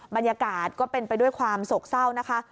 บรรยากาศก็เป็นไปด้วยความโศกเศร้านะคะ